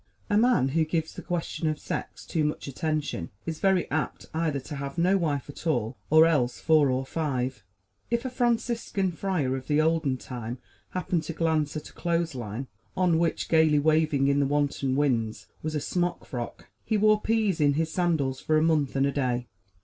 A man who gives the question of sex too much attention is very apt either to have no wife at all or else four or five. If a Franciscan friar of the olden time happened to glance at a clothesline on which, gaily waving in the wanton winds, was a smock frock, he wore peas in his sandals for a month and a day.